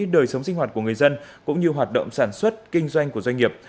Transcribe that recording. đời sống sinh hoạt của người dân cũng như hoạt động sản xuất kinh doanh của doanh nghiệp